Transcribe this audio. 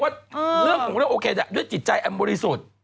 เรื่องผมเรื่องโอเคแต่ด้วยจิตใจอมบุรีสุทธิ์